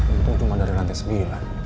untung itu mana ada lantai sembilan